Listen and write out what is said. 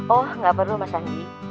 oh nggak perlu mas andi